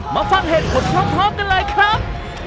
มาฟังเหตุผลพร้อมกันเลยครับ